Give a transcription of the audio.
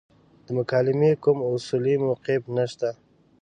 د مکالمې کوم اصولي موقف نشته.